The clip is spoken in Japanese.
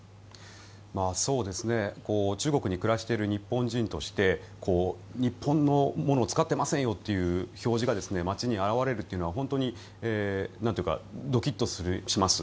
中国に暮らしている日本人として日本のものを使っていませんよという表示が街に現れるというのは本当にドキッとします。